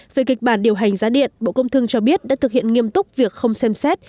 về kịch bản điều hành giá điện bộ công thương cho biết đã thực hiện nghiêm túc việc không xem xét